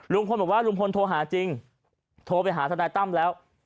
ลุงพลบอกว่าลุงพลโทรหาจริงโทรไปหาทนายตั้มแล้ว